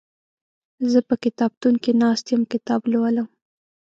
زه په کتابتون کې ناست يم کتاب لولم